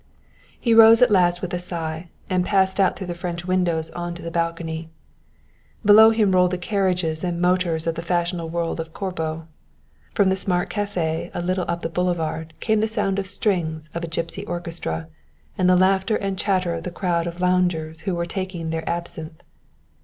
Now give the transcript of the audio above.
He rose at last with a sigh, and passed out through the French windows on to the balcony. Below him rolled the carriages and motors of the fashionable world of Corbo; from the smart café a little up the boulevard came the sound of strings of a gipsy orchestra and the laughter and chatter of the crowd of loungers who were taking their absinthe.